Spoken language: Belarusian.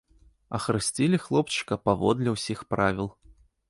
Ахрысцілі хлопчыка паводле ўсіх правіл.